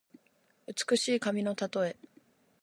美しい髪のたとえ。